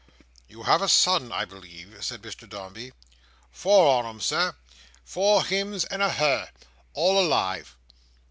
"You have a son, I believe?" said Mr Dombey. "Four on 'em, Sir. Four hims and a her. All alive!"